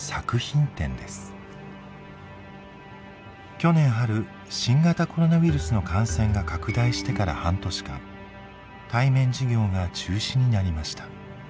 去年春新型コロナウイルスの感染が拡大してから半年間対面授業が中止になりました。